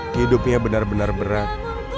hidupnya benar benar berat